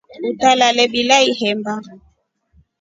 Utalale bila ihemba.